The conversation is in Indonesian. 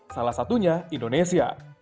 salah satunya indonesia